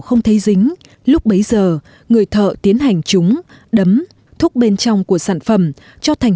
không thấy dính lúc bấy giờ người thợ tiến hành chúng đấm thuốc bên trong của sản phẩm cho thành